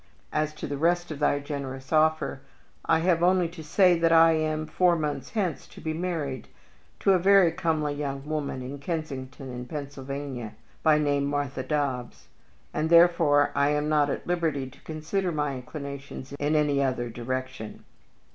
As to the rest of thy generous offer, I have only to say that I am, four months hence, to be married to a very comely young woman of Kensington, in Pennsylvania, by name Martha Dobbs, and therefore I am not at all at liberty to consider my inclinations in any other direction."